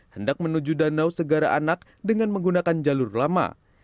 hendak menuju danau segara anak dengan menggunakan jalur lama